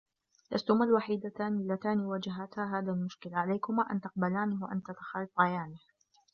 لستما الوحيدتان اللتان واجهتا هذا المشكل ، عليكما أن تقبلانه و أن تتخطيانه.